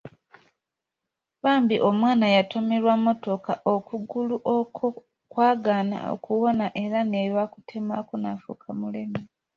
Bambi omwana eyatomerwa mmotoka okugulu okwo kwagaana okuwona era ne bakutemako nafuuka mulema.